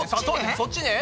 そっちね。